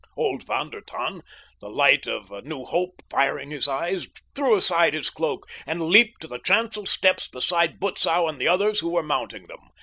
Old Von der Tann, the light of a new hope firing his eyes, threw aside his cloak and leaped to the chancel steps beside Butzow and the others who were mounting them.